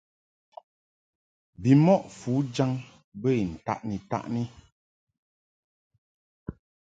Bimɔʼ fujaŋ bə I ntaʼni-taʼni.